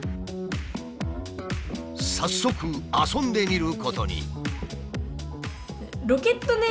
早速遊んでみることに。